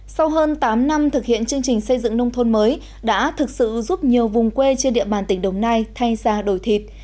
sau hơn tám năm thực hiện chương trình xây dựng nông thôn mới đã thực sự giúp nhiều vùng quê trên địa bàn tỉnh đồng nai thay ra đổi thịt